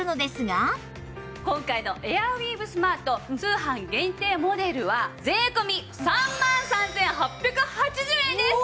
今回のエアウィーヴスマート通販限定モデルは税込３万３８８０円です。